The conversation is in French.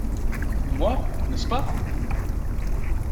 Moi, n’est-ce pas ?…